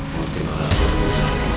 murti malah berubah